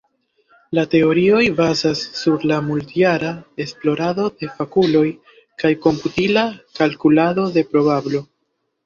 La teorioj bazas sur multjara esplorado de fakuloj kaj komputila kalkulado de probablo.